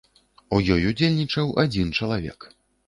У ёй удзельнічаў адзін чалавек.